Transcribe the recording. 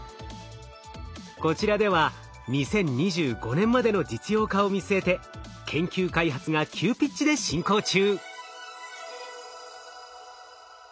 こちらでは２０２５年までの実用化を見据えて研究開発が急ピッチで進行中。